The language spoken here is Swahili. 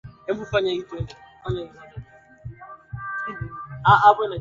zinazotokana na opioidi kama vile asetati levomethadili